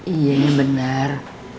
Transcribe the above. iya ini benar